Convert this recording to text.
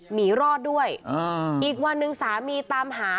หนีรอดด้วยอีกวันหนึ่งสามีตามหา